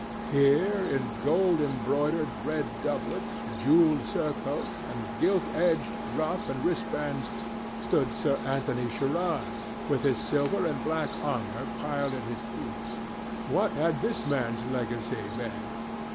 Here, in gold embroidered red doublet, jewelled surcoat, and gilt edged ruff and wristbands, stood Sir Anthony Sherard, with his silver and black armour piled at his feet. What had this man's legacy been?